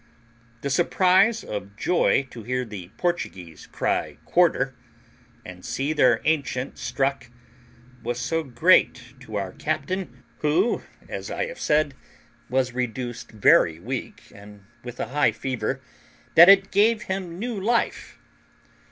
The surprise of joy to hear the Portuguese cry quarter, and see their ancient struck, was so great to our captain, who, as I have said, was reduced very weak with a high fever, that it gave him new life.